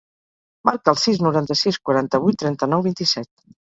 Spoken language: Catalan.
Marca el sis, noranta-sis, quaranta-vuit, trenta-nou, vint-i-set.